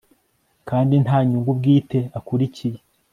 kandi nta nyungu bwite akurikiye